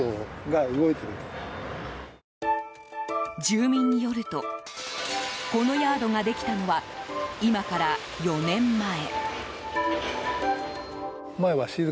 住民によるとこのヤードができたのは今から４年前。